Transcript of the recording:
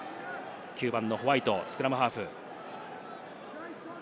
９番のホワイト、スクラムハーフ。